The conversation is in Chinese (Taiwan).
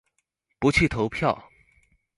不去投票！